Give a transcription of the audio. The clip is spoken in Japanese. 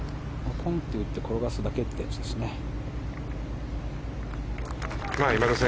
コンって打って転がすだけってやつですね。